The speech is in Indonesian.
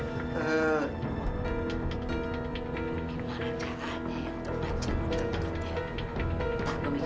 gimana caranya ya untuk pancing kentutnya